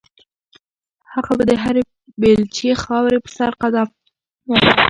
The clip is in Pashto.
هغه به د هرې بیلچې خاورې په سر قدم واهه.